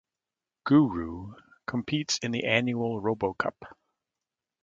GuRoo competes in the annual RoboCup.